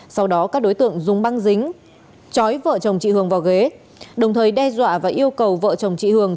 sau đó các đối tượng dùng băng dính chói vợ chồng chị hường vào ghế đồng thời đe dọa và yêu cầu vợ chồng chị hường